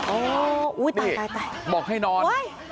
โอ้ตายตายตายอุ้ยบอกให้นอน